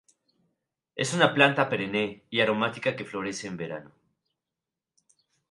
Es una planta perenne y aromática que florece en verano.